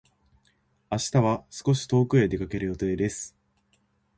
明日は少し遠くへ出かける予定です。